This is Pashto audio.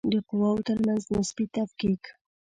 د قواوو ترمنځ نسبي تفکیک